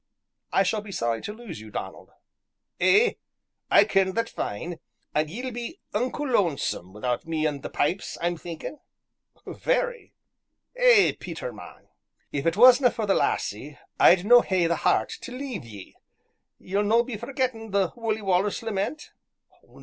I shall be sorry to lose you, Donald." "Ay I ken that fine, an' ye'll be unco lonesome wi'out me an' the pipes, I'm thinkin'." "Very!" "Eh, Peter, man! if it wasna' for the lassie, I'd no hae the heart tae leave ye. Ye'll no be forgettin' the 'Wullie Wallace Lament'?"